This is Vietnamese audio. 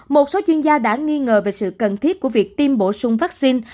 một số chuyên gia đã nghi ngờ về sự cần thiết của việc tiêm bổ sung vắc xin